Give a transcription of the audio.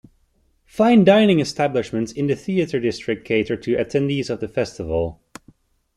Fine dining establishments in the Theater District cater to attendees of the Festival.